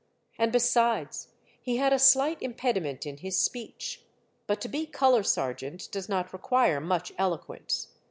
And besides, he had a sHght impedi ment in his speech ; but to be color sergeant does not require much eloquence.